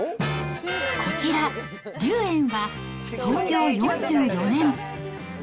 こちら、龍燕は創業４４年。